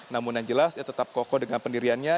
namun yang jelas ia tetap kokoh dengan pendiriannya